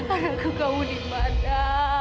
aku tahu kamu dimana